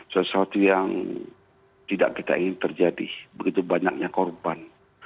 sesuatu yang tidak kita ingin terjadi begitu banyaknya korban